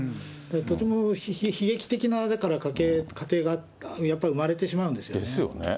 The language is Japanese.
とても悲劇的な、だから、家庭がやっぱり生まれてしまうんですよね。ですよね。